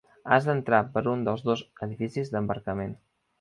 Has d'entrar per un dels dos edificis d'embarcament.